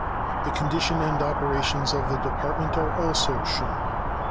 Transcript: The condition and operations of the Department are also shown.